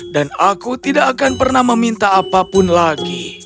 dan aku tidak akan pernah meminta apapun lagi